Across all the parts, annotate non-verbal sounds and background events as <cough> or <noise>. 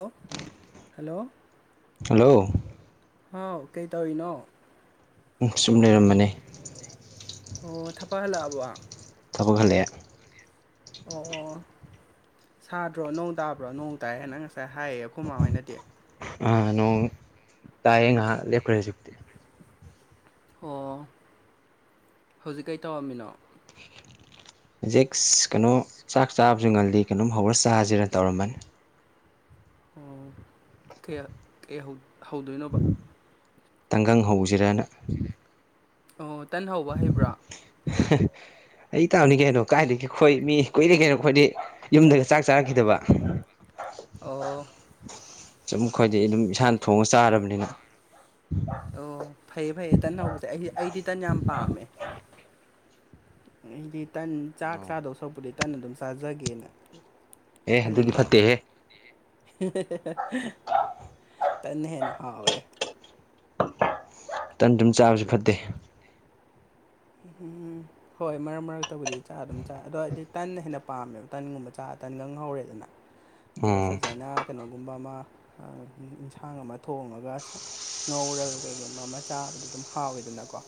hello hello hello ꯍꯥꯎ ꯀꯩ ꯇꯧꯔꯤꯅꯣ ꯎ ꯁꯨꯝ ꯂꯩꯔꯝꯕꯅꯦ ꯑꯣ ꯊꯥꯄ ꯍꯜꯂꯛꯑꯕꯣ ꯊꯕꯛ ꯈꯜꯂꯛꯑꯦ ꯑꯣ ꯑꯣ ꯁꯥꯗ꯭ꯔꯣ ꯅꯣꯡ ꯇꯥꯕ꯭ꯔꯣ ꯅꯣꯡ ꯇꯥꯏꯅ ꯉꯁꯥꯏ ꯍꯥꯏꯌꯦ ꯑꯩꯈꯣꯏꯃꯥ ꯍꯣꯏꯅꯗꯤ ꯑꯥ ꯅꯣꯡ ꯇꯥꯏꯌꯦꯦ ꯉꯥꯏꯍꯥꯛ ꯂꯦꯞꯈ꯭ꯔꯦꯁꯤꯕꯨꯛꯇꯤ ꯑꯣ ꯍꯧꯖꯤꯛ ꯀꯩ ꯇꯧꯔꯝꯃꯤꯅꯣ <unintelligible> ꯍꯧꯖꯤꯛ ꯀꯩꯅꯣ ꯆꯥꯛ ꯆꯥꯕꯁꯨ ꯉꯜꯂꯤ ꯀꯩꯅꯣꯝ ꯍꯧꯔ ꯆꯥꯁꯤꯔ ꯇꯧꯔꯝꯃꯅꯤ ꯑꯣ ꯀ ꯀ ꯍꯧꯗꯣꯏꯅꯣ ꯇꯥꯡꯒꯪ ꯍꯧꯁꯤꯔꯅ ꯑꯣ ꯇꯟ ꯍꯧꯕ ꯍꯩꯕ꯭ꯔꯥ ꯑꯩ ꯇꯥꯅꯤ ꯀꯩꯅꯣ ꯀꯥꯏꯒꯦ ꯑꯩꯈꯣꯏ ꯃꯤ ꯀꯨꯏꯔꯦ ꯀꯩꯅꯣ ꯑꯩꯈꯣꯏꯗꯤ ꯌꯨꯝꯗꯒ ꯆꯥꯛ ꯆꯥꯔꯛꯈꯤꯗꯕ ꯑꯣ ꯆꯨꯝ ꯈꯣꯏꯗꯤꯩ ꯑꯗꯨꯝ ꯏꯁꯥꯅ ꯊꯣꯡꯉ ꯆꯥꯔꯕꯅꯤꯅ ꯑꯣ ꯐꯩꯌꯦ ꯐꯩꯌꯦ ꯇꯟ ꯍꯧꯕꯁꯦ ꯑꯩꯗꯤ ꯑꯩꯗꯤ ꯇꯟ ꯌꯥꯝ ꯄꯥꯝꯃꯦ ꯑꯩꯗꯤ ꯇꯟ ꯆꯥꯛ ꯆꯥꯗꯧ ꯁꯛꯄꯨꯗꯤ ꯇꯟ ꯑꯗꯨꯝ ꯆꯥꯖꯒꯦꯅ ꯑꯦ ꯑꯗꯨꯗꯤ ꯐꯠꯇꯦꯍꯦ ꯇ ꯍꯦꯅ ꯍꯋꯦ ꯇꯟ ꯑꯗꯨꯝ ꯆꯥꯕꯁꯨ ꯐꯠꯇꯦ ꯎꯝ ꯎ ꯍꯣꯏ ꯃꯔꯛ ꯃꯔꯛꯇꯕꯨꯗꯤ ꯆꯥ ꯑꯗꯨꯝ ꯆꯥꯏ ꯑꯗꯣ ꯍꯥꯏꯗꯤ ꯇꯟꯅ ꯍꯦꯟꯅ ꯄꯥꯝꯃꯦꯕ ꯇꯟꯒꯨꯝꯕ ꯆꯥ ꯇꯟꯒ ꯍꯧꯔꯦꯗꯅ ꯑꯗꯨꯒ ꯎꯝ ꯐꯖꯅ ꯀꯩꯅꯣꯒꯨꯝꯕ ꯑꯃ ꯑꯦꯟꯁꯥꯡ ꯑꯃ ꯊꯣꯡꯉꯒ ꯉꯧꯔꯒ ꯀꯩꯒꯨꯝꯕ ꯑꯃ ꯆꯥꯕꯗꯣ ꯑꯗꯨꯝ ꯍꯥꯎꯋꯦꯗꯅꯀꯣ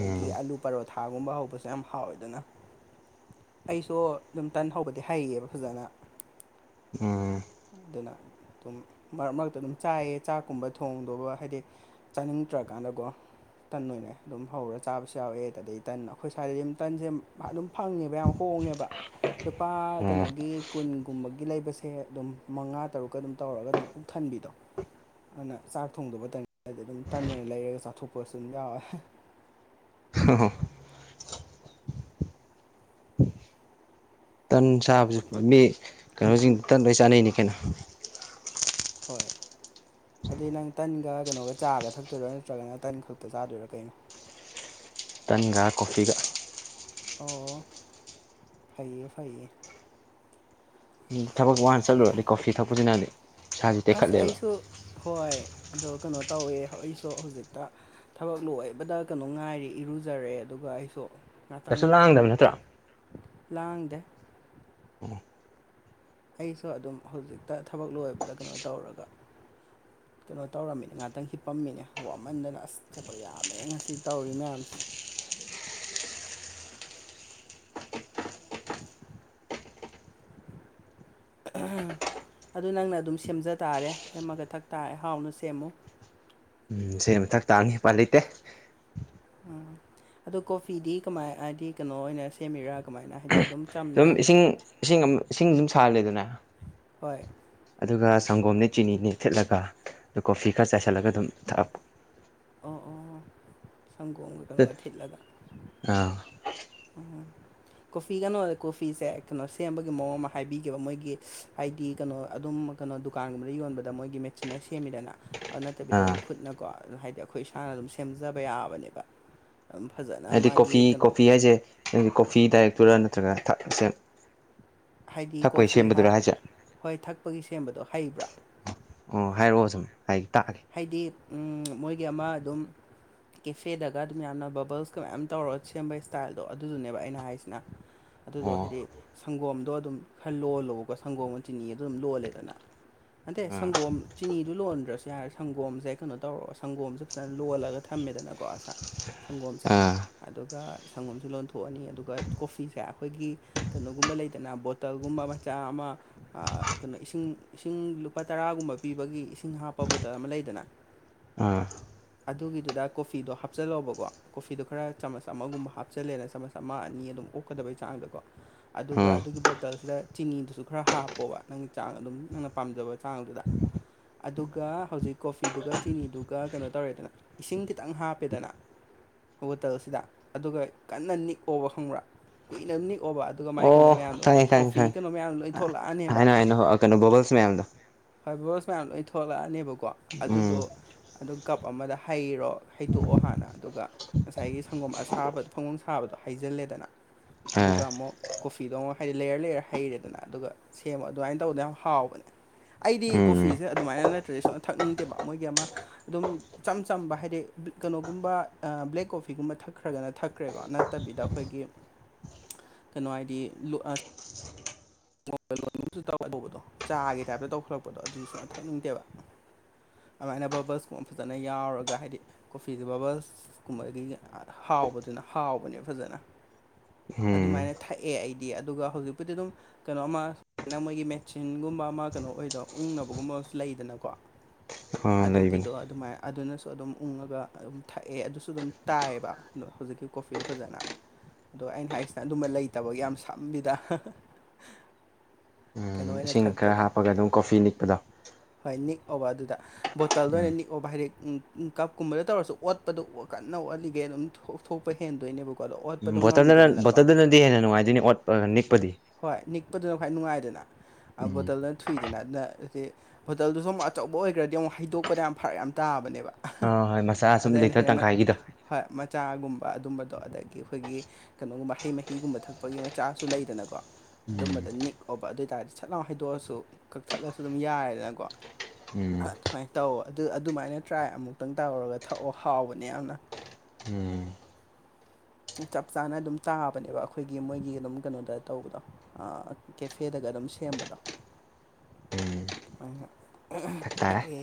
ꯎꯝ ꯑꯂꯨ ꯄꯔꯣꯊꯥꯒꯨꯝꯕ ꯍꯧꯕꯁꯨ ꯌꯥꯝ ꯍꯥꯎꯋꯦꯗꯅ ꯑꯩꯁꯨ ꯑꯗꯨꯝ ꯇꯟ ꯍꯧꯕꯗꯤ ꯍꯩꯌꯦꯕ ꯐꯖꯅ ꯎꯝ ꯑꯗꯨꯅ ꯑꯗꯨꯝ ꯃꯔꯛ ꯃꯔꯛꯇ ꯑꯗꯨꯝ ꯆꯥꯏꯌꯦ ꯆꯥꯛꯀꯨꯝꯕ ꯊꯣꯡꯗꯧꯕ ꯍꯥꯏꯗꯤ ꯆꯥꯅꯤꯡꯗ꯭ꯔꯀꯥꯟꯗꯀꯣ ꯇꯟ ꯑꯣꯏꯅ ꯑꯗꯨꯝ ꯍꯧꯔꯒ ꯆꯥꯕꯁꯨ ꯌꯥꯎꯋꯦ ꯑꯗꯩ ꯇꯟ ꯑꯩꯈꯣꯏ ꯁ꯭ꯋꯥꯏꯗꯗꯤ ꯑꯗꯨꯝ ꯇꯟꯁꯦ ꯑꯗꯨꯝ ꯐꯪꯉꯦꯕ ꯌꯥꯝ ꯍꯣꯡꯉꯦꯕ ꯂꯨꯄꯥ ꯎꯝ ꯀꯩꯅꯣꯒꯤ ꯀꯨꯟꯒꯨꯝꯕꯒꯤ ꯂꯩꯕꯁꯦ ꯑꯗꯨꯝ ꯃꯉꯥ ꯇꯔꯨꯛꯀ ꯑꯗꯨꯝ ꯇꯧꯔꯒ ꯑꯗꯨꯝ ꯄꯨꯡꯊꯟꯕꯤꯗꯣ ꯑꯗꯨꯅ ꯆꯥꯛ ꯊꯣꯡꯗꯕ ꯃꯇꯝꯗꯗꯤ ꯑꯗꯨꯝ ꯇꯟ ꯑꯣꯏꯅ ꯂꯩꯔꯒ ꯆꯥꯊꯣꯛꯄꯁꯨ ꯑꯗꯨꯝ ꯌꯥꯎꯋꯦ ꯍ ꯍꯣ ꯇꯟ ꯁꯥꯕꯁꯨ ꯃꯤ ꯀꯩꯅꯣꯁꯤꯡ ꯇꯟ ꯂꯣꯏ ꯆꯥꯅꯩꯅꯤ ꯀꯩꯅꯣ ꯍꯣꯏ ꯑꯗꯨꯩ ꯅꯪ ꯇꯟꯒ ꯀꯩꯅꯣꯒ ꯆꯥꯒ ꯊꯛꯇꯣꯏꯔꯣ ꯅꯠꯇ꯭ꯔꯒ ꯅꯪ ꯇꯟ ꯈꯛꯇ ꯆꯥꯗꯣꯏꯔꯥ ꯀꯩꯅꯣ ꯇꯟꯒ ꯀꯣꯐꯤꯒ ꯑꯣ ꯐꯩꯌꯦ ꯐꯩꯌꯦ ꯎꯝ ꯊꯕꯛ ꯋꯥꯟ ꯆꯠꯂꯨꯔꯗꯤ ꯀꯣꯐꯤ ꯊꯛꯄꯁꯤꯅꯥꯗꯤ ꯑꯁ ꯑꯩꯁꯨ ꯍꯣꯏ ꯑꯣ ꯀꯩꯅꯣ ꯇꯧꯋꯦ ꯑꯩꯁꯨ ꯍꯧꯖꯤꯛꯇ ꯊꯕꯛ ꯂꯣꯏꯕꯗ ꯀꯩꯅꯣ ꯉꯥꯏꯔꯦ ꯏꯔꯨꯖꯔꯦ ꯑꯗꯨꯒ ꯑꯩꯁꯨ ꯉꯥꯛꯇꯪ ꯀꯩꯁꯨ ꯂꯥꯡꯗꯕ ꯅꯠꯇ꯭ꯔꯣ ꯂꯥꯡꯗꯦ ꯎꯝ ꯑꯩꯁꯨ ꯑꯗꯨꯝ ꯍꯧꯖꯤꯛꯇ ꯊꯕꯛ ꯂꯣꯏꯕꯗ ꯀꯩꯅꯣ ꯇꯧꯔꯒ ꯀꯩꯅꯣ ꯇꯧꯔꯝꯃꯤꯅꯦ ꯉꯥꯛꯇꯪ ꯁꯦꯠꯄꯝꯃꯤꯅꯦ ꯋꯥꯃꯟꯗꯅ ꯑꯁ ꯁꯦꯠꯄ ꯌꯥꯝꯃꯦ ꯉꯁꯤ ꯇꯧꯔꯤ ꯃꯌꯥꯝꯁꯦ <inaudible> ꯑꯗꯨ ꯅꯪꯅ ꯑꯗꯨꯝ ꯁꯦꯝꯖ ꯇꯥꯔꯦ ꯁꯦꯝꯃꯒ ꯊꯛ ꯇꯥꯔꯦ ꯍꯥꯎꯅ ꯁꯦꯝꯃꯨ ꯁꯤ ꯃꯊꯛ ꯇꯥꯡꯅꯤ ꯍꯄꯥꯜ ꯂꯩꯇꯦ ꯎꯝ ꯑꯗꯨꯣ ꯀꯣꯐꯤꯗꯤ ꯀꯃꯥꯏ ꯍꯥꯏꯗꯤ ꯀꯩꯅꯣ ꯑꯣꯏꯅ ꯁꯦꯝꯃꯤꯔꯥ ꯀꯃꯥꯏꯅ ꯍꯥꯏꯗꯤ ꯑꯗꯨꯝ ꯆꯝꯅ ꯑꯗꯨꯝ ꯏꯁꯤꯡ ꯏꯁꯤꯡ ꯏꯁꯤꯡ ꯁꯨꯝ ꯁꯥꯍꯜꯂꯦ ꯑꯗꯨꯅ ꯍꯣꯏ ꯑꯗꯨꯒ ꯁꯪꯒꯣꯝꯅꯦ ꯆꯤꯅꯤꯅꯦ ꯊꯤꯠꯂꯒ ꯑ ꯀꯣꯐꯤ ꯈꯔ ꯆꯥꯏꯁꯤꯜꯂꯒ ꯑꯗꯨꯝꯛ ꯑꯣ ꯑꯣ ꯁꯪꯒꯣꯝꯒ ꯀꯩꯅꯣꯒ ꯊꯤꯠꯂꯒ ꯑꯥ ꯎꯝ ꯀꯣꯐꯤ ꯀꯩꯅꯣꯗ ꯀꯣꯐꯤꯁꯦ ꯀꯩꯅꯣ ꯁꯦꯝꯕꯒꯤ ꯃꯑꯣꯡ ꯑꯃ ꯍꯥꯏꯕꯤꯈꯤꯕ ꯃꯣꯏꯒꯤ ꯍꯥꯏꯗꯤ ꯀꯩꯅꯣ ꯑꯗꯨꯝ ꯀꯩꯅꯣ ꯗꯨꯀꯥꯟꯒꯨꯝꯕꯗ ꯌꯣꯟꯕꯗ ꯃꯣꯏꯒꯤ ꯃꯦꯆꯤꯟꯅ ꯁꯦꯝꯃꯤꯗꯅ ꯑꯗꯨ ꯅꯠꯇꯕꯤꯗ ꯑꯥ ꯑꯗꯨꯝ ꯈꯨꯠꯅꯀꯣ ꯑꯗꯨ ꯍꯥꯏꯗꯤ ꯑꯩꯈꯣꯏ ꯏꯁꯥꯅ ꯑꯗꯨꯝ ꯁꯦꯝꯖꯕ ꯌꯥꯕꯅꯦꯕ ꯑꯗꯨꯝ ꯐꯖꯅ ꯍꯥꯏꯗꯤ ꯀꯣꯐꯤ ꯃꯥꯒꯤ ꯀꯩꯅꯣ ꯀꯣꯐꯤ ꯍꯥꯏꯁꯦ ꯅꯒꯤ ꯀꯣꯐꯤ ꯗꯥꯏꯔꯦꯛꯇꯔꯥ ꯅꯠꯇ꯭ꯔꯒꯁꯦ ꯍꯥꯏꯗꯤ ꯀꯣꯐꯤ ꯍꯣꯏ ꯊꯛꯄꯒꯤ ꯁꯦꯝꯕꯗꯣ ꯍꯩꯕ꯭ꯔꯥ ꯑꯣ ꯍꯥꯏꯔꯛꯑꯣ ꯁꯨꯝ ꯍꯥꯏ ꯇꯥꯛꯑꯒꯦ ꯍꯥꯏꯗꯤ ꯃꯣꯏꯒꯤ ꯑꯃ ꯑꯗꯨꯝ ꯀꯦꯐꯦꯗꯒ ꯑꯗꯨꯝ ꯌꯥꯝꯅ ꯕꯜꯁꯀ ꯃꯌꯥꯝ ꯇꯧꯔꯒ ꯁꯦꯝꯕ ꯏꯁꯇꯥꯏꯜꯗꯣ ꯑꯗꯨꯗꯨꯅꯦꯕ ꯑꯩꯅ ꯍꯥꯏꯁꯤꯅ ꯑꯗꯨꯗꯣ ꯑꯣ ꯍꯥꯏꯗꯤ ꯁꯪꯒꯣꯝꯗꯣ ꯑꯗꯨꯝ ꯈꯔ ꯂꯣꯜꯂꯣꯕꯀꯣ ꯁꯪꯒꯣꯝ ꯑꯃ ꯆꯤꯅꯤꯣ ꯑꯗꯨꯝ ꯂꯣꯜꯂꯦꯗꯅ ꯍꯟꯇꯦ ꯑꯥ ꯁꯪꯒꯣꯝ ꯆꯤꯅꯤꯗꯨ ꯂꯣꯟꯗ꯭ꯔꯁꯨ ꯌꯥꯔꯦ ꯁꯪꯒꯣꯝꯁꯦ ꯀꯩꯅꯣ ꯇꯧꯔꯣ ꯁꯪꯒꯣꯝꯁꯦ ꯐꯖꯅ ꯂꯣꯜꯂꯒ ꯊꯝꯃꯦꯗꯅꯀꯣ ꯑꯁꯥ ꯁꯪꯒꯣꯝꯁꯦ ꯑꯥ ꯑꯗꯨꯒ ꯁꯪꯒꯣꯝꯁꯨ ꯂꯣꯟꯊꯣꯛꯑꯅꯤ ꯑꯗꯨꯒ ꯀꯣꯐꯤꯁꯦ ꯑꯩꯈꯣꯏꯒꯤ ꯀꯩꯅꯣꯒꯨꯝꯕ ꯂꯩꯗꯅ ꯕꯣꯇꯜꯒꯨꯝꯕ ꯃꯆꯥ ꯑꯃ ꯀꯩꯅꯣ ꯏꯁꯤꯡ ꯏꯁꯤꯡ ꯂꯨꯄꯥ ꯇꯔꯥꯒꯨꯝꯕ ꯄꯤꯕꯒꯤ ꯏꯁꯤꯡ ꯍꯥꯞ ꯄꯥꯎꯕꯇꯔ ꯑꯃ ꯂꯩꯗꯅ ꯑꯥ ꯑꯗꯨꯒꯤꯗꯨꯗ ꯀꯣꯐꯤꯗꯣ ꯍꯥꯞꯆꯤꯜꯂꯣꯕꯀꯣ ꯀꯣꯐꯤꯗꯣ ꯈꯔ ꯆꯥꯃꯁ ꯑꯃꯒꯨꯝꯕ ꯍꯥꯞꯆꯤꯜꯂꯦꯅ ꯆꯥꯃꯁ ꯑꯃ ꯑꯅꯤ ꯑꯗꯨꯝ ꯑꯣꯛꯀꯗꯕꯩ ꯆꯥꯡꯗꯀꯣ ꯑꯗꯨꯒ ꯎꯝ ꯑꯗꯨꯒꯤ ꯕꯣꯇꯜꯁꯤꯗ ꯆꯤꯅꯤꯗꯨꯁꯨ ꯈꯔ ꯍꯥꯞꯄꯣꯕ ꯅꯪꯒꯤ ꯆꯥꯡ ꯑꯗꯨꯝ ꯅꯪꯅ ꯄꯥꯝꯖꯕ ꯆꯥꯡꯗꯨꯗ ꯑꯗꯨ ꯑꯗꯨꯒ ꯀꯣꯐꯤꯗꯨꯒ ꯆꯤꯅꯤꯗꯨꯒ ꯀꯩꯅꯣ ꯇꯧꯔꯦꯗꯅ ꯏꯁꯤꯡ ꯈꯤꯇꯪ ꯍꯥꯞꯄꯦꯗꯅ ꯕꯣꯇꯜꯁꯤꯗ ꯑꯗꯨꯒ ꯀꯟꯅ ꯅꯤꯛꯑꯣꯕ ꯈꯪꯕ꯭ꯔꯥ ꯀꯨꯏꯅꯕ ꯅꯤꯛꯑꯣꯕ ꯑꯗꯨꯒ ꯃꯥꯏ ꯑꯣ ꯀꯩꯅꯣ ꯃꯌꯥꯝꯗꯣ ꯈꯪꯉꯦ ꯈꯪꯉꯦ ꯀꯣꯐꯤ ꯈꯪꯉꯦ ꯀꯩꯅꯣ ꯃꯌꯥꯝꯗꯣ ꯂꯣꯏ ꯊꯣꯛꯂꯛꯑꯅꯦꯕ ꯍꯥꯏꯅꯣ ꯍꯥꯏꯅꯣ ꯀꯩꯅꯣ ꯕꯕꯜꯁ ꯃꯌꯥꯝꯗꯣ ꯍꯣꯏ ꯕꯣꯁ ꯃꯌꯥꯝ ꯂꯣꯏ ꯊꯣꯛꯂꯛꯑꯅꯦꯕꯀꯣ ꯎꯝ ꯑꯗꯨꯗꯣ ꯑꯗꯨ ꯀꯞ ꯑꯃꯗ ꯍꯩꯔꯣ ꯍꯩꯗꯣꯛꯑꯣ ꯍꯥꯟꯅ ꯑꯗꯨꯒ ꯉꯁꯥꯏꯒꯤ ꯁꯪꯒꯣꯝ ꯑꯁꯥꯕꯗꯣ ꯐꯒꯣꯝ ꯁꯥꯕꯗꯣ ꯍꯩꯖꯤꯜꯂꯦꯗꯅ ꯑꯥ ꯑꯗꯨꯒ ꯑꯃꯨꯛ ꯀꯣꯐꯤꯗꯣ ꯑꯃꯨꯛ ꯍꯥꯏꯗꯤ ꯂꯩꯌꯔ ꯂꯩꯌꯔ ꯍꯩꯔꯦꯗꯅ ꯑꯗꯨꯒ ꯁꯦꯝꯕ ꯑꯗꯨꯃꯥꯏꯅ ꯇꯧꯕꯗꯅ ꯌꯥꯝ ꯍꯥꯎꯕꯅꯦ ꯑꯩꯗꯤ ꯎꯝ ꯀꯣꯐꯤꯁꯦ ꯑꯗꯨꯃꯥꯏꯅ ꯅꯠꯇ꯭ꯔꯦ ꯁꯅ ꯊꯛꯅꯤꯡꯗꯦꯕ ꯃꯣꯏꯒꯤ ꯑꯃ ꯑꯗꯨꯝ ꯆꯆꯝ ꯆꯝꯕ ꯍꯥꯏꯗꯤ ꯀꯩꯅꯣꯒꯨꯝꯕ ꯕ꯭ꯂꯦꯛ ꯀꯣꯐꯤꯒꯨꯝꯕ ꯊꯛꯈ꯭ꯔꯒꯅ ꯊꯛꯈ꯭ꯔꯦꯀꯣ ꯅꯠꯇꯕꯤꯗ ꯑꯩꯈꯣꯏꯒꯤ ꯀꯩꯅꯣ ꯍꯥꯏꯗꯤ ꯂꯣꯏꯁꯨ ꯇꯧ ꯇꯧꯕꯗꯣ ꯆꯥꯒꯤ ꯇꯥꯏꯞꯇ ꯇꯧꯈꯠꯂꯛꯄꯗꯣ ꯑꯗꯨꯁꯨ ꯁꯨꯅ ꯊꯛꯅꯤꯡꯗꯦꯕ ꯑꯗꯨꯃꯥꯏꯅ ꯕꯕꯜꯁꯀꯨꯝꯕ ꯐꯖꯅ ꯌꯥꯎꯔꯒ ꯍꯥꯏꯗꯤ ꯀꯣꯐꯤꯁꯦ ꯕꯕꯜꯁ ꯀꯨꯝꯕꯗꯒꯤ ꯍꯥꯎꯕꯗꯨꯅ ꯍꯥꯎꯕꯅꯦ ꯐꯖꯅ ꯎꯝ ꯑꯗꯨꯃꯥꯏꯅ ꯊꯛꯑꯦ ꯑꯩꯗꯤ ꯑꯗꯨꯒ ꯍꯧꯖꯤꯛꯄꯨꯗꯤ ꯑꯗꯨꯝ ꯀꯩꯅꯣ ꯑꯃꯅꯪ ꯃꯣꯏꯒꯤ ꯃꯦꯆꯤꯟꯒꯨꯝꯕ ꯑꯃ ꯀꯩꯅꯣ ꯑꯣꯏꯗꯣ ꯎꯪꯅꯕꯒꯨꯝꯕ ꯑꯃꯁ ꯂꯩꯗꯅꯀꯣ ꯑꯝ ꯑꯗꯨꯒꯤꯗꯣ ꯑꯗꯨꯃꯥꯏ ꯑꯗꯨꯅꯁꯨ ꯑꯗꯨꯝ ꯎꯪꯉꯒ ꯑꯗꯨꯝ ꯊꯛꯑꯦ ꯑꯗꯨꯁꯨ ꯑꯗꯨꯝ ꯇꯥꯏꯑꯦꯕ ꯑꯗꯣ ꯍꯧꯖꯤꯛꯀꯤ ꯀꯣꯐꯤꯗꯣ ꯐꯖꯅ ꯑꯗꯣ ꯑꯩꯅ ꯍꯥꯏꯁꯤꯅ ꯑꯗꯨꯝꯕ ꯂꯩꯇꯕꯒꯤ ꯌꯥꯝ ꯁꯝꯕꯤꯗ ꯀꯩꯅꯣ ꯎꯝ ꯑꯣꯏꯅ ꯏꯁꯤꯡ ꯈꯔ ꯊꯛꯄꯗꯣ ꯍꯥꯞꯄꯒ ꯑꯗꯨꯝ ꯀꯣꯐꯤ ꯅꯤꯛꯄꯗꯣ ꯍꯣꯏ ꯅꯤꯛꯑꯣꯕ ꯑꯗꯨꯗ ꯕꯣꯇꯜꯗ ꯎꯝ ꯑꯣꯏꯅ ꯅꯤꯛꯑꯣꯕ ꯍꯥꯏꯗꯤ ꯀꯞꯀꯨꯝꯕꯗ ꯇꯧꯔꯁꯨ ꯑꯣꯠꯄꯗ ꯀꯟꯅ ꯑꯣꯠꯂꯤꯒꯩ ꯑꯗꯨꯝ ꯊꯣꯛꯄ ꯍꯦꯟꯗꯣꯏꯅꯦꯕꯀꯣ ꯑꯗꯣ ꯑꯣꯠꯄꯗꯣ ꯉꯝꯗꯦꯗꯅꯀꯣ ꯑꯗꯨ ꯍꯦꯟꯅ ꯅꯨꯡꯉꯥꯏꯗꯣꯏꯅꯤ ꯑꯣꯠꯄ ꯅꯤꯛꯄꯗꯤ ꯍꯣꯏ ꯅꯤꯛꯄꯗꯨꯅ ꯈ꯭ꯋꯥꯏ ꯅꯨꯡꯉꯥꯏꯗꯅ ꯎꯝ ꯕꯣꯇꯜꯗ ꯊꯨꯏꯗꯅ ꯑꯗꯨꯅ ꯍꯣꯇꯜꯗꯨꯁꯨ ꯑꯃꯨꯛ ꯑꯆꯧꯕ ꯑꯣꯏꯈ꯭ꯔꯗꯤ ꯑꯃꯨꯛ ꯍꯩꯗꯣꯛꯄꯗ ꯌꯥꯝ ꯐꯔꯛ ꯌꯥꯝ ꯇꯥꯕꯅꯦꯕ ꯑ ꯍꯣꯏ ꯃꯆꯥ ꯑꯗ ꯁꯨꯝ ꯑꯩꯅ ꯂꯤꯇꯔ ꯍꯌꯦ ꯇꯪꯈꯥꯏꯒꯤꯗꯣ ꯍꯣꯏ ꯃꯆꯥꯒꯨꯝꯕ ꯑꯗꯨꯝꯕꯗꯣ ꯑꯗꯒꯤ ꯑꯩꯈꯣꯏꯒꯤ ꯀꯩꯅꯣꯒꯨꯝꯕ ꯍꯩ ꯃꯍꯤꯒꯨꯝꯕ ꯊꯛꯄꯒꯤ ꯃꯆꯥꯁꯨ ꯂꯩꯗꯅꯀꯣ ꯑꯗꯨꯝꯕꯗ ꯅꯤꯛ ꯑꯣꯏꯕ ꯑꯗꯨ ꯑꯣꯏ ꯇꯥꯔꯗꯤ ꯁꯠꯂꯥꯎ ꯍꯩꯗꯣꯛꯑꯁꯨ ꯀꯛꯊꯠꯂꯁꯨ ꯑꯗꯨꯝ ꯌꯥꯔꯦꯗꯅꯀꯣ ꯎꯝ ꯑꯗꯨꯃꯥꯏꯅ ꯇꯧꯑꯣ ꯑꯗꯨ ꯑꯗꯨꯃꯥꯏꯅ ꯇ꯭ꯔꯥꯏ ꯑꯃꯨꯛꯇꯪ ꯇꯧꯔꯒ ꯊꯛꯑꯣ ꯍꯥꯎꯕꯅꯦ ꯌꯥꯝꯅ ꯎꯝ ꯆꯞ ꯆꯥꯅ ꯑꯗꯨꯝ ꯆꯥꯕꯅꯦꯕ ꯑꯩꯈꯣꯏꯒꯤ ꯃꯣꯏꯒꯤ ꯑꯗꯨꯝ ꯀꯩꯅꯣꯗ ꯇꯧꯕꯗꯣ ꯀꯦꯐꯦꯗꯒ ꯑꯗꯨꯝ ꯁꯦꯝꯕꯗꯣ ꯑꯗꯨꯃꯥꯢꯅ ꯊꯛ ꯇꯥꯔꯦ ꯊꯥꯛꯌꯦ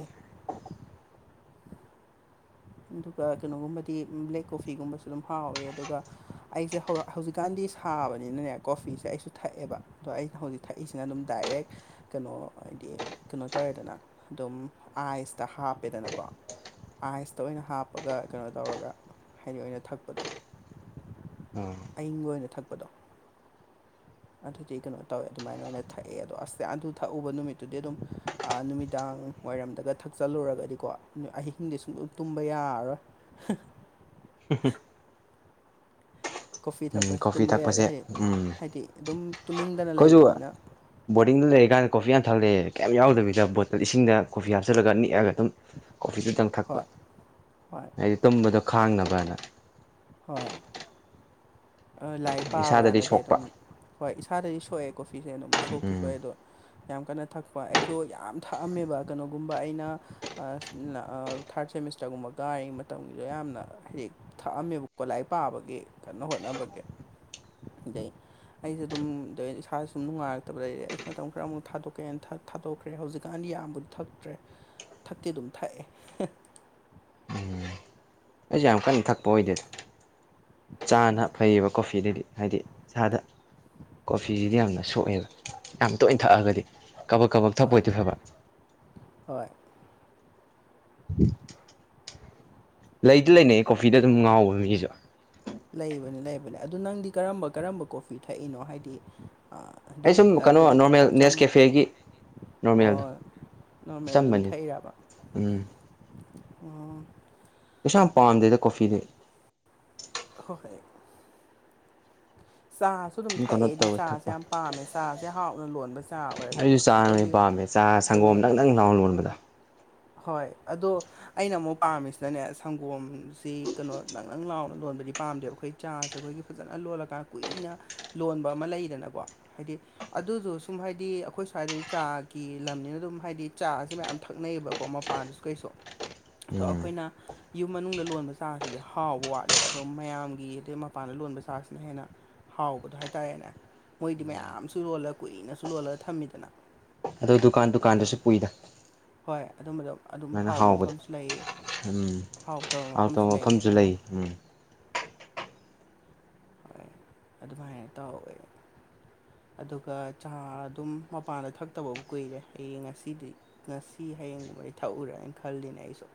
ꯑꯗꯨꯒ ꯀꯩꯅꯣꯒꯨꯝꯕꯗꯤ ꯕ꯭ꯂꯦꯛ ꯀꯣꯐꯤꯒꯨꯝꯕꯁꯨ ꯑꯗꯨꯝ ꯍꯥꯎꯋꯦ ꯑꯗꯨꯒ ꯑꯩꯁꯦ ꯍꯧꯖꯤꯛꯀꯥꯟꯗꯤ ꯁꯥꯕꯅꯤꯅꯅꯦ ꯀꯣꯐꯤꯁꯦ ꯑꯩꯁꯨ ꯊꯛꯑꯦꯕ ꯑꯗꯣ ꯑꯩ ꯍꯧꯖꯤꯛ ꯊꯛꯏꯁꯤꯅ ꯑꯗꯨꯝ ꯗꯥꯏꯔꯦꯛ ꯀꯩꯅꯣ ꯍꯥꯏꯗꯤ ꯀꯩꯅꯣ ꯇꯧꯋꯦꯗꯅ ꯑꯗꯨꯝ ꯑꯥꯏꯁꯇ ꯍꯥꯞꯄꯦꯗꯅꯀꯣ ꯑꯥꯏꯁꯇ ꯑꯣꯏꯅ ꯍꯥꯞꯄꯒ ꯀꯩꯅꯣ ꯇꯧꯔꯒ ꯍꯥꯏꯗꯤ ꯑꯣꯏꯅ ꯊꯛꯄꯗꯣ ꯎꯝ ꯑꯌꯤꯡꯕ ꯑꯣꯏꯅ ꯊꯛꯄꯗꯣ ꯑꯗꯨꯗꯤ ꯀꯩꯅꯣ ꯇꯧꯋꯦ ꯑꯗꯨꯃꯥꯏꯅ ꯑꯣꯏꯅ ꯊꯛꯑꯦ ꯑꯗꯣ ꯑꯁ ꯑꯗꯨ ꯊꯛꯎꯕ ꯅꯨꯃꯤꯠꯇꯨꯗꯤ ꯑꯗꯨꯝ ꯅꯨꯃꯤꯗꯥꯡ ꯋꯥꯏꯔꯝꯗꯒ ꯊꯛꯆꯜꯂꯨꯔꯒꯗꯤꯀꯣ ꯑꯍꯤꯡꯗꯤ ꯁꯨꯡꯂ ꯇꯨꯝꯕ ꯌꯥꯔꯔꯣꯏ <inaudible> <inaudible> ꯀꯣꯐꯤ ꯎꯝ ꯊꯛꯄꯁꯤ ꯀꯣꯐꯤ ꯇꯨꯝꯕ ꯌꯥꯗꯦ ꯊꯛꯄꯁꯦ ꯍꯥꯏꯗꯤ ꯎꯝ ꯍꯥꯏꯗꯤ ꯑꯗꯨꯝ ꯇꯨꯝꯅꯤꯡꯗꯅ ꯑꯩꯈꯣꯏꯁꯨ ꯂꯩꯕꯅꯤꯅ ꯕꯣꯔꯗꯤꯡꯗ ꯂꯩꯔꯤꯀꯥꯟꯗ ꯀꯣꯐꯤ ꯌꯥꯝꯟ ꯊꯜꯂꯛꯦ ꯀꯌꯥꯝ ꯌꯥꯎꯗꯕꯤꯗ ꯕꯣꯇꯜ ꯏꯁꯤꯡꯗ ꯀꯣꯐꯤ ꯍꯥꯞꯆꯜꯂ ꯅꯤꯛꯑꯒ ꯑꯗꯨꯝ ꯀꯣꯐꯤꯗꯨꯇꯪ ꯊꯛꯄ ꯍꯣꯏ ꯍꯣꯏ ꯍꯥꯏꯗꯤ ꯇꯨꯝꯕꯗꯣ ꯈꯥꯡꯅꯕꯅ ꯍꯣꯏ ꯂꯥꯏꯔꯤꯛ ꯄꯥꯕ ꯏꯁꯥꯗꯗꯤ ꯀꯥꯟꯗꯗꯤ ꯁꯣꯛꯄ ꯑꯗꯨꯝ ꯍꯣꯏ ꯏꯁꯥꯗꯗꯤ ꯁꯣꯛꯑꯦ ꯀꯣꯐꯤꯁꯦ ꯑꯗꯨꯝ ꯁꯣꯛꯇ ꯎꯝ ꯁꯣꯛꯑꯦ ꯑꯗꯣ ꯌꯥꯝ ꯀꯟꯅ ꯊꯛꯄ ꯑꯩꯁꯨ ꯌꯥꯝ ꯊꯛꯑꯝꯃꯦꯕ ꯀꯩꯅꯣꯒꯨꯝꯕ ꯑꯩꯅ ꯊꯥꯔꯠ ꯁꯦꯃꯤꯁꯇꯔꯒꯨꯝꯕꯒꯔꯤꯉꯩ ꯃꯇꯝꯒꯤꯗ ꯌꯥꯝꯅ ꯍꯥꯏꯗꯤ ꯊꯛꯑꯝꯃꯦꯕꯀꯣ ꯂꯥꯏꯔꯤꯛ ꯄꯥꯕꯒꯤ ꯀꯣ ꯍꯣꯏ <unintelligible> ꯑꯩꯁꯨꯦ ꯑꯗꯨꯝ ꯏꯁꯥꯥꯁꯁꯨ ꯁꯨꯝ ꯅꯨꯡꯉꯥꯏꯔꯛꯇꯕꯗ ꯑꯩꯦꯁ ꯃꯇꯝ ꯈꯔ ꯑꯃꯨꯛ ꯊꯥꯗꯣꯛꯀꯦꯅ ꯊꯥꯗꯣꯛꯈ꯭ꯔꯦ ꯍꯧꯖꯤꯛꯀꯥꯟ ꯌꯥꯝꯕꯨꯗꯤ ꯊꯛꯇ꯭ꯔꯦ ꯊꯛꯇꯤ ꯑꯗꯨꯝ ꯊꯛꯑꯦ ꯑꯩꯁ ꯌꯥꯝ ꯀꯟꯅ ꯊꯛꯄ ꯑꯣꯏꯗꯣꯏꯗ ꯆꯥꯅ ꯐꯩꯌꯦꯕ ꯀꯣꯐꯤꯗꯗꯤ ꯍꯥꯏꯗꯤ ꯏꯁꯥꯗ ꯀꯣꯐꯤꯁꯤꯗꯤ ꯌꯥꯝꯅ ꯁꯣꯛꯑꯦꯕ ꯌꯥꯝ ꯇꯣꯏꯅ ꯊꯛꯑꯒꯗꯤ ꯀꯕꯛ ꯀꯕꯛ ꯊꯛꯄ ꯍꯣꯏ ꯑꯣꯏꯗꯣꯏ ꯐꯕ ꯍꯣꯏ ꯂꯩꯗꯤ ꯂꯩꯅꯩ ꯀꯣꯐꯤꯗ ꯑꯗꯨꯝ ꯉꯥꯎꯕ ꯃꯤꯁꯨ ꯂꯩꯕꯅꯤ ꯂꯩꯕꯅꯦ ꯑꯗꯨ ꯅꯪꯗꯤ ꯀꯔꯝꯕ ꯀꯔꯝꯕ ꯀꯣꯐꯤ ꯊꯛꯏꯅꯣ ꯍꯥꯏꯗꯤ ꯑꯗꯨꯝ ꯑꯩ ꯁꯨꯝ ꯀꯩꯅꯣ ꯅꯣꯔꯃꯦꯜ ꯅꯦꯁ ꯀꯦꯐꯦꯒꯤ ꯅꯣꯔꯃꯦꯜꯗꯣ ꯑꯣ ꯅꯣꯔꯃꯦꯜꯗ ꯑꯗꯨꯝ ꯑꯆꯝꯕꯅꯤ ꯊꯛꯏꯕ ꯎꯝ ꯑꯣ ꯀꯩꯁꯥ ꯌꯥꯝ ꯄꯥꯝꯗꯦꯗ ꯀꯣꯐꯤꯗꯤ ꯑ ꯍꯣꯏ ꯆꯥꯁ ꯁꯨ ꯑꯗꯨꯝ ꯀꯩꯅꯣ ꯊꯛꯑꯦꯗꯤ ꯇꯧꯋꯦ ꯆꯥꯁꯦ ꯊꯛꯄ ꯌꯥꯝ ꯄꯥꯝꯃꯦ ꯆꯥꯁꯦ ꯍꯥꯎꯅ ꯂꯣꯟꯕ ꯆꯥ ꯑꯣꯏꯔꯒꯗꯤ ꯑꯩꯁꯨ ꯆꯥꯅ ꯑꯩꯈꯣꯏꯒꯤ ꯄꯥꯝꯃꯦ ꯆꯥ ꯀꯩꯅꯣ ꯁꯪꯒꯣꯝ ꯅꯪꯅꯪ ꯂꯥꯎ ꯂꯣꯟꯕꯗꯣ ꯍꯣꯏ ꯑꯗꯣ ꯑꯩꯅ ꯑꯃꯨꯛ ꯄꯥꯝꯃꯤꯁꯤꯅꯅꯦ ꯁꯪꯒꯣꯝꯁꯤ ꯀꯩꯅꯣ ꯅꯪ ꯅꯪ ꯂꯥꯎꯅ ꯂꯣꯟꯕꯗꯤ ꯄꯥꯝꯗꯦꯕ ꯑꯩꯈꯣꯏ ꯆꯥꯁꯦ ꯑꯩꯈꯣꯏꯒꯤ ꯐꯖꯅ ꯂꯣꯜꯂꯀꯥꯟ ꯀꯨꯏꯅ ꯂꯣꯟꯕ ꯑꯃ ꯂꯩꯗꯅꯀꯣ ꯍꯥꯏꯗꯤ ꯑꯗꯨꯗꯣ ꯁꯨꯝ ꯍꯥꯏꯗꯤ ꯑꯩꯈꯣꯏ ꯁ꯭ꯋꯥꯏꯗꯗꯤ ꯆꯥꯒꯤ ꯂꯝꯅꯤꯅ ꯑꯗꯨꯝ ꯍꯥꯏꯗꯤ ꯆꯥꯁꯦ ꯃꯌꯥꯝ ꯊꯛꯅꯩꯌꯦꯕ ꯀꯣ ꯃꯄꯥꯟꯗꯁꯨ ꯀꯩꯁꯨ ꯑꯗꯣ ꯎꯝ ꯑꯩꯈꯣꯏꯅ ꯌꯨꯝ ꯃꯅꯨꯡꯗ ꯂꯣꯟꯕ ꯆꯥꯔꯁꯤꯗꯤ ꯍꯥꯎꯕ ꯋꯥꯠꯂꯦꯕ ꯑꯗꯣ ꯃꯌꯥꯝꯒꯤ ꯑꯗꯩ ꯃꯄꯥꯟꯗ ꯂꯣꯟꯕ ꯆꯥꯁꯤꯅ ꯍꯦꯟꯅ ꯍꯥꯎꯕꯗꯣ ꯍꯥꯏꯇꯥꯔꯦꯅꯦ ꯃꯣꯏꯗꯤ ꯃꯌꯥꯝꯁꯨ ꯂꯣꯜꯂ ꯀꯨꯏꯅꯁꯨ ꯂꯣꯜꯂꯒ ꯊꯝꯃꯤꯗꯅ ꯑꯗꯨ ꯗꯨꯀꯥꯟ ꯑꯗꯣ ꯗꯨꯀꯥꯟꯗꯁꯨ ꯄꯨꯨꯏꯗ ꯍꯣꯏ ꯑꯗꯨꯝꯕꯗꯣ ꯑꯗꯨꯝ ꯍꯥꯎꯕ ꯍꯥꯎꯕꯗꯣ ꯃꯐꯝꯁꯨ ꯂꯩ ꯎꯝ ꯍꯥꯎꯇꯕ ꯃꯐꯝꯁꯨ ꯂꯩ ꯍꯥꯏꯇꯥꯔꯦꯅꯦ ꯍꯣꯏ ꯑꯗꯨꯃꯥꯏꯅ ꯇꯧꯋꯦ ꯑꯗꯨꯒ ꯆꯥ ꯑꯗꯨꯝ ꯃꯄꯥꯟꯗ ꯊꯛꯇꯕꯕꯨ ꯀꯨꯏꯔꯦ ꯍꯌꯦꯡ ꯉꯁꯤꯗꯤ ꯉꯁꯤ ꯍꯌꯦꯡꯒꯨꯝꯕꯗꯤ ꯊꯛꯎꯔꯦ ꯍꯥꯏꯅ ꯈꯜꯂꯤꯅꯦ ꯑꯩꯁꯨ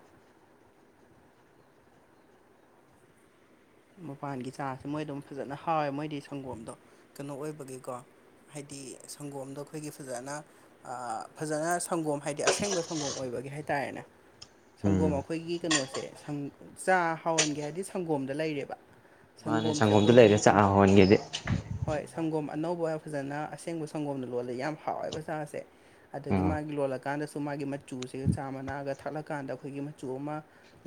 ꯃꯄꯥꯟꯒꯤ ꯆꯥꯁꯦ ꯃꯣꯏꯗꯝ ꯐꯖꯅ ꯍꯥꯎꯋꯦ ꯃꯣꯏꯗꯤ ꯁꯪꯒꯣꯝꯗꯣ ꯀꯩꯅꯣ ꯑꯣꯏꯕꯒꯤꯀꯣ ꯍꯥꯏꯗꯤ ꯁꯪꯒꯣꯝꯗꯣ ꯑꯩꯈꯣꯏꯒꯤ ꯐꯖꯅ ꯐꯖꯅ ꯁꯪꯒꯣꯝ ꯍꯥꯏꯗꯤ ꯑꯁꯦꯡꯕ ꯁꯪꯒꯣꯝ ꯑꯣꯏꯕꯒꯤ ꯍꯥꯏꯇꯥꯔꯦꯅꯦ ꯎꯝ ꯁꯪꯒꯣꯝ ꯑꯩꯈꯣꯏꯒꯤ ꯀꯩꯅꯣꯁꯦ ꯆꯥ ꯍꯥꯎꯍꯟꯒꯦ ꯍꯥꯏꯕꯗꯤ ꯁꯪꯒꯣꯝꯗ ꯂꯩꯔꯦꯕ ꯃꯥꯅ ꯁꯪꯒꯣꯝꯁꯦ ꯁꯪꯒꯣꯝꯗ ꯑꯩꯈꯣꯏꯒꯤ ꯂꯩꯔ ꯆꯥꯛ ꯍꯟꯒꯦꯗꯤ ꯍꯣꯏ ꯁꯪꯒꯣꯝ ꯑꯅꯧꯕ ꯐꯖꯅ ꯑꯁꯦꯡꯕ ꯁꯪꯒꯣꯝꯅ ꯂꯣꯜꯂ ꯌꯥꯝ ꯍꯥꯎꯋꯦꯕ ꯆꯥꯁꯦ ꯑꯗꯒꯤ ꯎꯝ ꯃꯥꯒꯤ ꯂꯣꯜꯂꯀꯥꯟꯗꯁꯨ ꯃꯥꯒꯤ ꯃꯆꯨꯁꯦ ꯆꯥ ꯃꯅꯥꯒ ꯊꯥꯛꯂꯀꯥꯟꯗ ꯑꯩꯈꯣꯏꯒꯤ ꯃꯆꯨ ꯑꯃ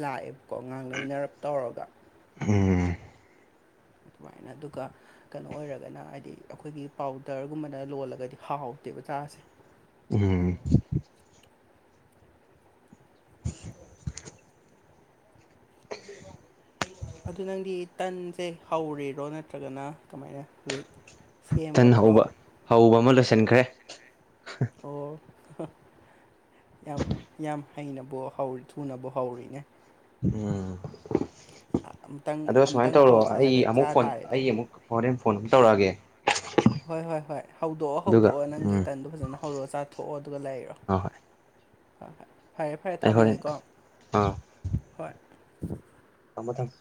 ꯂꯥꯛꯑꯦꯕꯀꯣ ꯉꯉꯥꯡ ꯂꯩꯩꯅꯔꯞ ꯇꯧꯔꯒ ꯎꯝ ꯑꯗꯨꯃꯥꯏꯅ ꯑꯗꯨꯒ ꯀꯩꯅꯣ ꯑꯣꯏꯔꯒꯅ ꯍꯥꯏꯗꯤ ꯑꯩꯈꯣꯏꯒꯤ ꯄꯥꯎꯗꯔꯒꯨꯝꯕꯅ ꯂꯣꯜꯂꯒꯗꯤ ꯍꯥꯎꯇꯦꯕ ꯆꯥꯁꯦ ꯎꯝ <inaudible> ꯑꯗꯨ ꯅꯪꯗꯤ ꯇꯟꯁꯦ ꯍꯧꯔꯤꯔꯣ ꯅꯠꯇ꯭ꯔꯒꯅ ꯀꯃꯥꯏꯅ ꯍꯧꯖꯤꯛ ꯊꯟ ꯁꯦꯝꯃꯕ꯭ꯔꯣ ꯍꯧꯕ ꯍꯧꯕ ꯑꯃ ꯂꯣꯏꯁꯤꯟꯈ꯭ꯔꯦ ꯑꯣ ꯌꯥꯝ ꯌꯥꯝ ꯍꯩꯅꯕ ꯍꯧꯔꯤ ꯊꯨꯅꯕꯨ ꯍꯧꯔꯤꯅꯦ ꯑꯝ ꯑꯝꯇꯪ ꯑꯗꯣ ꯁꯨꯃꯥꯏꯅ ꯑꯝꯇꯪ ꯇꯧꯔꯣ ꯑꯩ ꯍꯧꯍꯜꯂꯒ ꯆꯥ ꯑꯃꯨꯛ ꯐꯣꯟ ꯑꯩ ꯇꯥꯔꯦꯗꯅ ꯑꯃꯨꯛ ꯍꯣꯔꯦꯟ ꯐꯣꯟ ꯑꯃꯨꯛ ꯇꯧꯔꯛꯑꯒꯦ ꯍꯣꯏ ꯍꯣꯏ ꯍꯣꯏ ꯍꯧꯗꯣꯛꯑꯣ ꯑꯗꯨꯒ ꯍꯧꯗꯣꯛꯑꯣ ꯅꯪꯒꯤ ꯎꯝ ꯇꯟꯗꯣ ꯐꯖꯅ ꯍꯧꯔꯛ ꯆꯥꯊꯣꯛꯑꯣ ꯑꯗꯨꯒ ꯂꯩꯔꯣ ꯍꯣꯏ ꯍꯣꯏ ꯍ ꯍꯣꯏ ꯐꯔꯦ ꯐꯔꯦ ꯑꯩ ꯍꯣꯔꯦꯟ ꯊꯝꯃꯒꯦꯀꯣ ꯑꯥ ꯍꯣꯏ ꯊꯝꯃꯣ ꯊꯝꯃꯣ